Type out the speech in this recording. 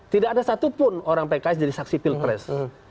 tidak ada satupun orang pks jadi saksi pilpres